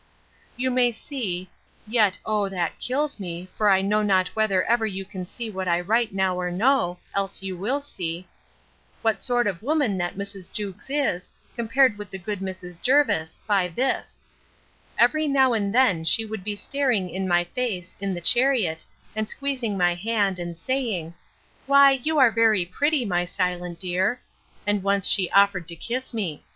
You may see—(Yet, oh! that kills me; for I know not whether ever you can see what I now write or no—Else you will see)—what sort of woman that Mrs. Jewkes is, compared to good Mrs. Jervis, by this:—— Every now and then she would be staring in my face, in the chariot, and squeezing my hand, and saying, Why, you are very pretty, my silent dear! And once she offered to kiss me.